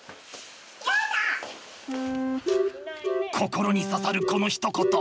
心に刺さるこのひとこと！